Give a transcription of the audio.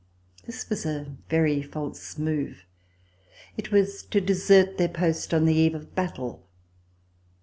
This was a very false move. It was to desert their post on the eve of battle.